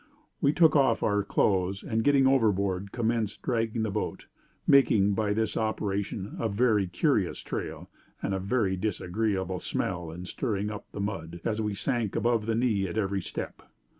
We took off our clothes, and, getting over board, commenced dragging the boat making, by this operation, a very curious trail, and a very disagreeable smell in stirring up the mud, as we sank above the knee at every step.